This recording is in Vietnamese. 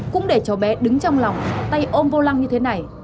cũng để cháu bé đứng trong lòng tay ôm vô lăng như thế này